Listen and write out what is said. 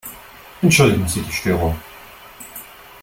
Entschuldigen Sie die Störung!